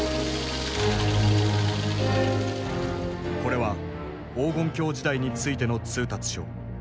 これは「黄金狂時代」についての通達書。